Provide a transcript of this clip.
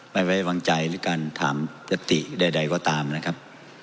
ไม่ไว้วางใจหรือการถามยติใดก็ตามนะครับ